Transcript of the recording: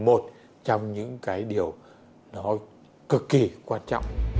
một trong những cái điều đó cực kỳ quan trọng